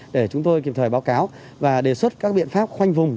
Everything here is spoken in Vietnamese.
để chúng tôi kịp thời báo cáo và đề xuất các biện pháp khoanh vùng